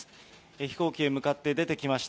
飛行機へ向かって出てきました。